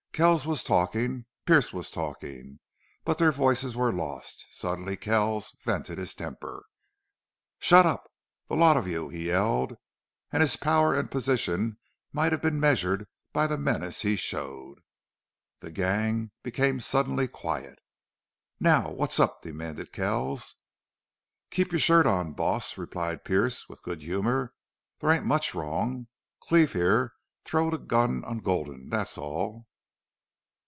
Kells was talking, Pearce was talking, but their voices were lost. Suddenly Kells vented his temper. "Shut up the lot of you!" he yelled, and his power and position might have been measured by the menace he showed. The gang became suddenly quiet. "Now what's up?" demanded Kells. "Keep your shirt on, boss," replied Pearce, with good humor. "There ain't much wrong.... Cleve, here, throwed a gun on Gulden, that's all."